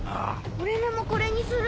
俺のもこれにする。